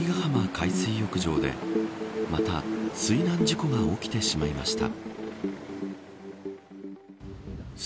海水浴場でまた水難事故が起きてしまいました。